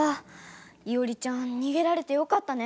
イオリちゃん逃げられてよかったね。